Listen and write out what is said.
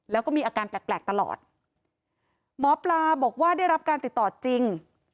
แล้วก็มีอาการแปลกแปลกตลอดหมอปลาบอกว่าได้รับการติดต่อจริง